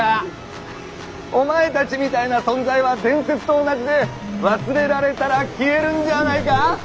お前たちみたいな存在は伝説と同じで忘れられたら消えるんじゃあないか